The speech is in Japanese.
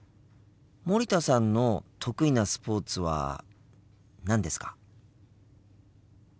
森田さんの得意なスポーツは何ですか？